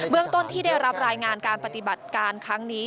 เรื่องต้นที่ได้รับรายงานการปฏิบัติการครั้งนี้